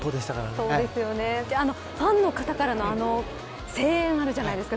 ファンの方からの声援あるじゃないですか。